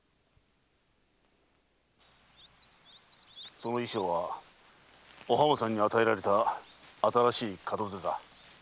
その衣装はお浜さんに与えられた新しい門出だ。